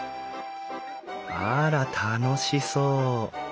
あら楽しそう。